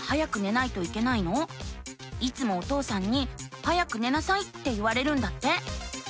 いつもお父さんに「早く寝なさい」って言われるんだって。